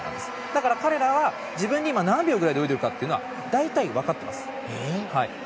だから、彼らは自分が今何秒ぐらいで泳いでいるのかって大体、わかっています。